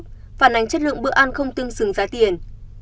phản ánh chất lượng bữa ăn không tương xứng giá tiền